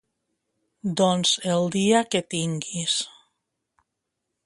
Doncs el dia que tinguis.